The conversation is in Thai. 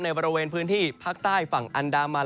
บริเวณพื้นที่ภาคใต้ฝั่งอันดามัน